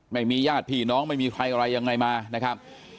ไม่มีญาติพี่น้องไม่มีใครอะไรยังไงมานะครับ